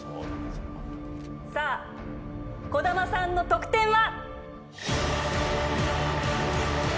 さあ小玉さんの得点は？